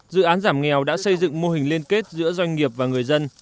dự án giảm nghèo đã xây dựng mô hình liên kết giữa doanh nghiệp và người dân